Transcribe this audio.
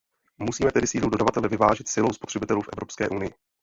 Musíme tedy sílu dodavatele vyvážit silou spotřebitelů v Evropské unii.